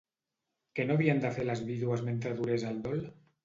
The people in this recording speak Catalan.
Què no havien de fer les vídues mentre durés el dol?